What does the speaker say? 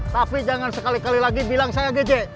tapi jangan sekali kali lagi bilang saya gejek